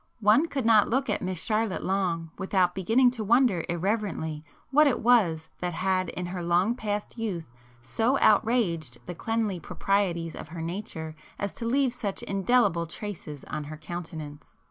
One could not look at Miss Charlotte long without beginning to wonder irreverently what it was that had in her long past youth so outraged the cleanly proprieties of her nature as to leave such indelible traces on her countenance.